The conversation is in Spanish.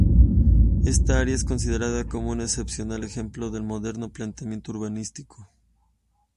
Esta área es considerada como un excepcional ejemplo del moderno planeamiento urbanístico.